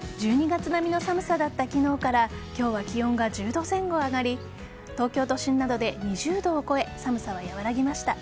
１２月並みの寒さだった昨日から今日は気温が１０度前後上がり東京都心などで２０度を超え寒さは和らぎました。